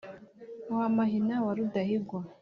wa mahina wa rudahigwa